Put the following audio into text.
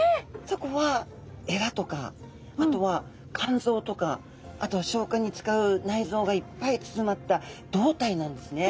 そこはエラとかあとはかんぞうとかあとは消化に使うないぞうがいっぱい包まった胴体なんですね。